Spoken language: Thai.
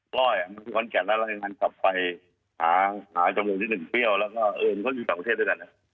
ก็แอ๋มมันค้นแจ่งแล้วเรายังงานกลับไปหาจำนวนที่หนึ่งเปรี้ยวแล้วก็เอิญเขาอยู่ต่อประเทศได้ดังนั้น